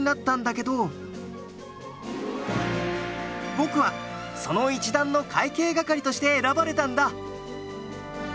僕はその一団の会計係として選ばれたんだ。